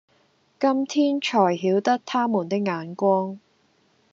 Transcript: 今天纔曉得他們的眼光，